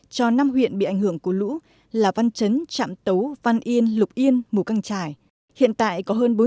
cho năm huyện bị ảnh hưởng của lũ là văn chấn trạm tấu văn yên lục yên mù căng trải